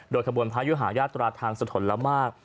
โดยคบนภายุหายาทราชทางสะทนละมาก